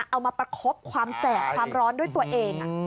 เอามาประคบความแสบความร้อนด้วยตัวเอง